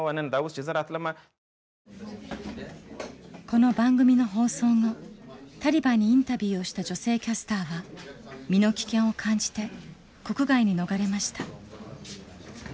この番組の放送後タリバンにインタビューをした女性キャスターは身の危険を感じて国外に逃れました。